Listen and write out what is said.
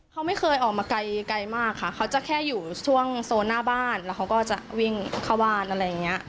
เขาไม่เคยออกมาไกลมากค่ะเขาจะแค่อยู่ช่วงโซนหน้าบ้านแล้วเขาก็จะวิ่งเข้าบ้านอะไรอย่างนี้